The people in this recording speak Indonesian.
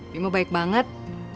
bimo baik banget